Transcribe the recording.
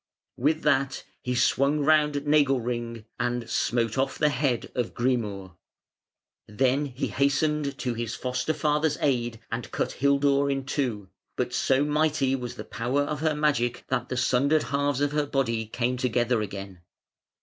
With that he swung round Nagelring and smote off the head of Grimur. Then he hastened to his foster father's aid and cut Hildur in two, but so mighty was the power of her magic that the sundered halves of her body came together again.